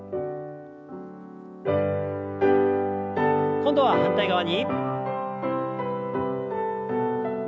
今度は反対側に。